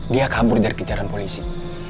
dia kabur dari kejaran polisi